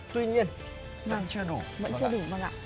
tuy nhiên vẫn chưa đủ